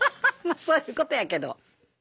まあそういうことやけど。